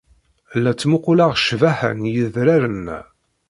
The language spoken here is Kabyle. La ttmuqquleɣ ccbaḥa n yedraren-a.